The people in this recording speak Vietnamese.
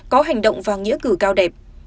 có hành động và nghĩa cử cao đẹp